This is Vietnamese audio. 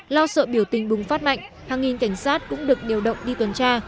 lo sợ biểu tình bùng phát mạnh hàng nghìn cảnh sát cũng được điều động đi tuần tra